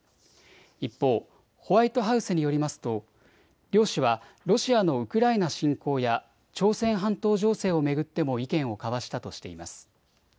一方、ホワイトハウスによりますと楊氏はロシアのウクライナ侵攻や朝鮮半島情勢を巡っても意見を交わしたとしています。